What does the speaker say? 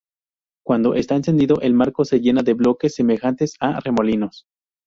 Cuando está encendido, el marco se llena de bloques semejantes a remolinos.